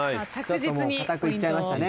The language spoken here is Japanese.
堅くいっちゃいましたね。